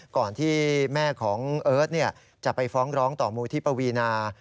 ก่อนที่แม่ของเอิร์ทจะไปฟ้องร้องต่อมูลที่ปวีนา